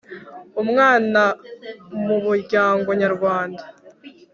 Umwana mu Muryango Nyarwanda